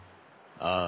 ああ。